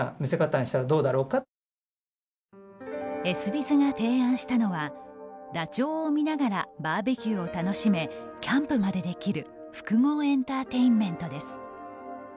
エスビズが提案したのはダチョウを見ながらバーベキューを楽しめキャンプまでできる複合エンターテインメントです。